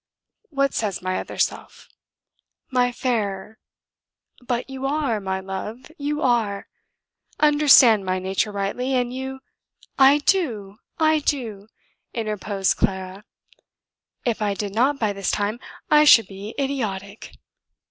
What says my other self? my fairer? But you are! my love, you are! Understand my nature rightly, and you ..." "I do! I do!" interposed Clara; "if I did not by this time I should be idiotic.